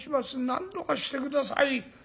なんとかして下さい』。